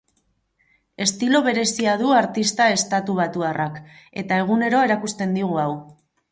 Estilo berezia du artista estatu batuarrak, eta egunero erakusten digu hau.